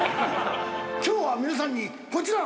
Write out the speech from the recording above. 今日は皆さんにこちら。